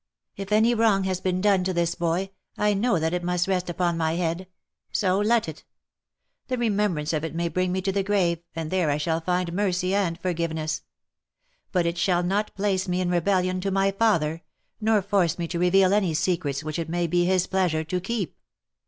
" If any wrong has been done to this boy, I know that it must rest upon my head. So let it. The remembrance of it may bring me to the grave, and there I shall find mercy and forgive ness. But it shall not place me in rebellion to my father, nor force me to reveal any secrets which it may be his pleasure to keep.